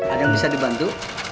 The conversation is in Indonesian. ada yang bisa dibantu